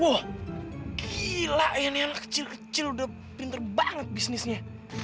wow gila ya nih anak kecil kecil udah pinter banget bisnisnya